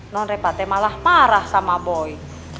non repate malah marah sama boy